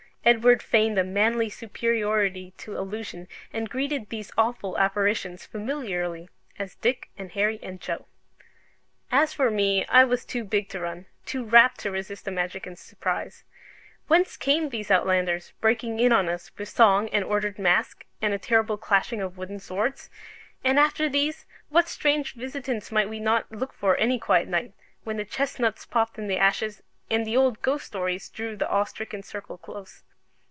Edward feigned a manly superiority to illusion, and greeted these awful apparitions familiarly, as Dick and Harry and Joe. As for me, I was too big to run, too rapt to resist the magic and surprise. Whence came these outlanders, breaking in on us with song and ordered masque and a terrible clashing of wooden swords? And after these, what strange visitants might we not look for any quiet night, when the chestnuts popped in the ashes, and the old ghost stories drew the awe stricken circle close?